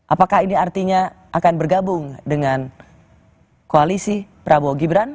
apakah ini artinya akan bergabung dengan koalisi prabowo gibran